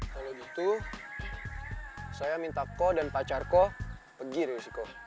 kalau gitu saya minta ko dan pacarko pergi reusi ko